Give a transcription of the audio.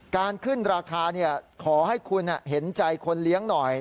การขึ้นราคาขอให้คุณเห็นใจคนเลี้ยงหน่อย